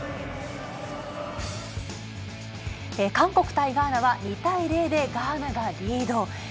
韓国対ガーナは２対０でガーナがリード。